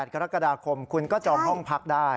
๘กรกฎาคมคุณก็จองห้องพักได้